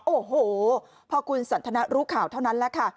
โอ้โหพอคุณสันทนารู้ข่าวเท่านั้นแหละค่ะ